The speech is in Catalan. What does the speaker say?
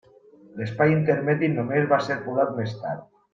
L'espai intermedi només va ser poblat més tard.